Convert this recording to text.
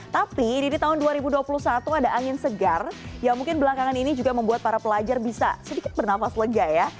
tapi di tahun dua ribu dua puluh satu ada angin segar yang mungkin belakangan ini juga membuat para pelajar bisa sedikit bernafas lega ya